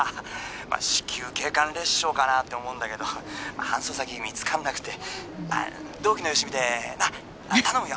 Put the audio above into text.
「まあ子宮頸管裂傷かなって思うんだけど搬送先見つからなくて」「同期のよしみでなっ頼むよ」